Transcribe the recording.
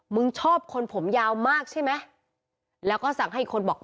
ชอบคนผมยาวมากใช่ไหมแล้วก็สั่งให้อีกคนบอก